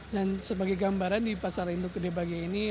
dan sebagai gambaran di pasar induk gede bage ini